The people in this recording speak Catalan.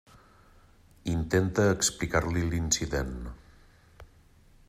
Intenta explicar-li l'incident.